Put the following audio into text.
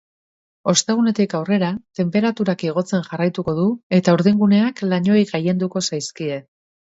Ostegunetik aurrera, tenperaturak igotzen jarraituko du eta urdinguneak lainoei gailenduko zaizkie.